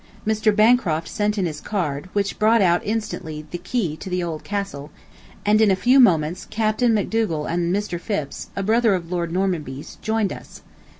Mr. Bancroft sent in his card, which brought out instantly the key to the old castle, and in a few moments Capt. MacDougal and Mr. Phipps, a brother of Lord Normanby's, joined us.